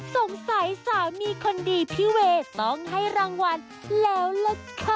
สงสัยสามีคนดีพี่เวย์ต้องให้รางวัลแล้วล่ะค่ะ